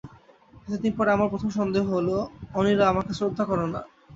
এতদিন পরে আমার প্রথম সন্দেহ হল, অনিলা আমাকে শ্রদ্ধা করে না।